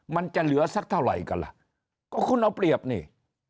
มันจะเหลือสักเท่าไหร่กันล่ะก็คุณเอาเปรียบนี่